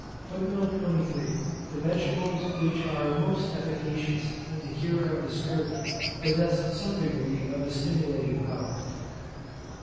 The vegetables which are most efficacious in the cure of the scurvy, possess some degree of a stimulating power.